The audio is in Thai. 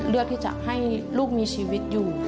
เลือกที่จะให้ลูกมีชีวิตอยู่